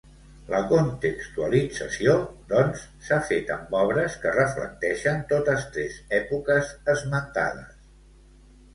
La contextualització, doncs, s'ha fet amb obres que reflecteixen totes tres èpoques esmentades.